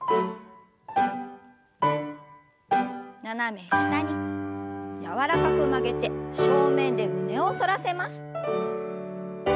斜め下に柔らかく曲げて正面で胸を反らせます。